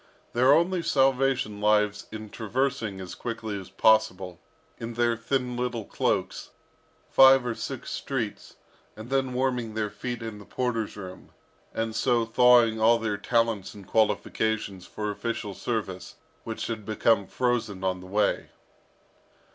Their only salvation lies in traversing as quickly as possible, in their thin little cloaks, five or six streets, and then warming their feet in the porter's room, and so thawing all their talents and qualifications for official service, which had become frozen on the way.